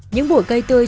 những bụi cây tươi